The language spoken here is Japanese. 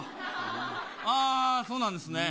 そうなんですね。